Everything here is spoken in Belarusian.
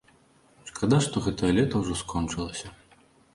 Шкада, што гэтае лета ўжо скончылася.